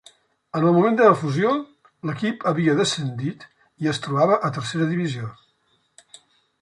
En el moment de la fusió, l'equip havia descendit i es trobava a tercera divisió.